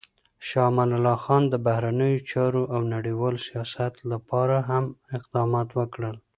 شاه امان الله خان د بهرنیو چارو او نړیوال سیاست لپاره هم اقدامات وکړل.